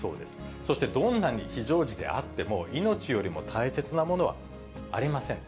そしてどんなに非常時であっても、命よりも大切なものはありません。